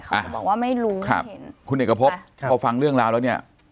บอกว่าไม่รู้ครับเห็นคุณเอกพบพอฟังเรื่องราวแล้วเนี่ย